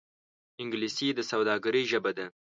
انګلیسي د سوداگرۍ ژبه ده